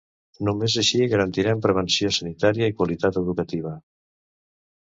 Només així garantirem prevenció sanitària i qualitat educativa.